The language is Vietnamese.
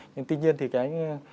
tuy nhiên thì cái